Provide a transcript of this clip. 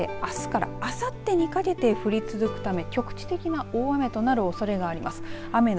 あすからあさってにかけて降り続くため局地的な大雨となるおそれがあります。